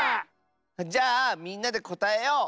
じゃあみんなでこたえよう！